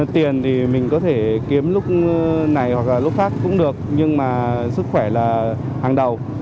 tiền thì mình có thể kiếm lúc này hoặc là lúc khác cũng được nhưng mà sức khỏe là hàng đầu